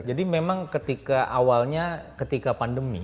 jadi memang ketika awalnya ketika pandemi